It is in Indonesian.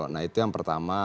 nah itu yang pertama